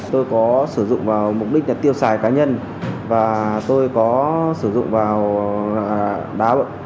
tôi có sử dụng vào mục đích tiêu xài cá nhân và tôi có sử dụng vào đá